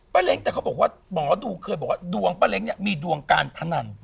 เล้งแต่เขาบอกว่าหมอดูเคยบอกว่าดวงป้าเล้งเนี่ยมีดวงการพนัน